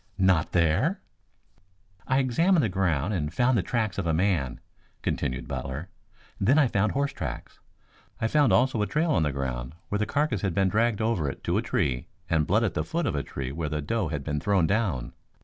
"Not there?" "I examined the ground and found the tracks of a man," continued Butler. "Then I found horse tracks. I found also a trail on the ground where the carcass had been dragged over it to a tree and blood at the foot of a tree where the doe had been thrown down.